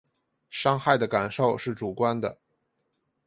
伤害的感受是主观的